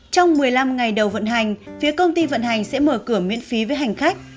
trong một mươi năm ngày đầu vận hành phía công ty vận hành sẽ mở cửa miễn phí với hành khách